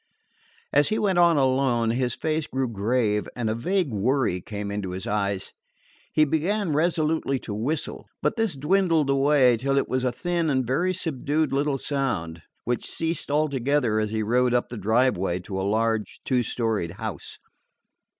As he went on alone, his face grew grave and a vague worry came into his eyes. He began resolutely to whistle, but this dwindled away till it was a thin and very subdued little sound, which ceased altogether as he rode up the driveway to a large two storied house.